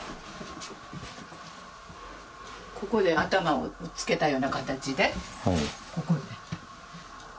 ここで頭をぶつけたような形で、ここで。